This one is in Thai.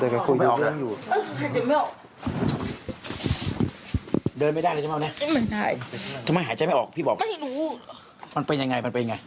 เฮ้ยเฮ้ยเฮ้ย